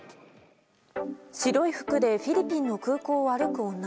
白い服でフィリピンの空港を歩く女。